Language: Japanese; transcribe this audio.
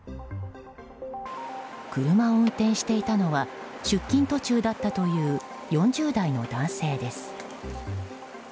車を運転していたのは出勤途中だったという４０代の男性です。